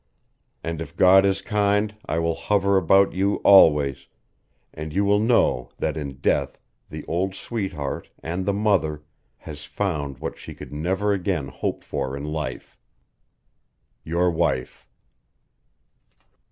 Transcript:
And if God is kind I will hover about you always, and you will know that in death the old sweetheart, and the mother, has found what she could never again hope for in life. YOUR WIFE.